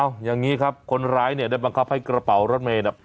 เอาอย่างนี้ครับคนร้ายเนี่ยได้บังคับให้กระเป๋ารถเมย์เนี่ย